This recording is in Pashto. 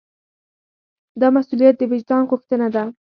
دا مسوولیت د وجدان غوښتنه ده.